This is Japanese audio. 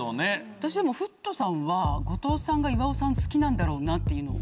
私でもフットさんは後藤さんが岩尾さん好きなんだろうなっていうのを。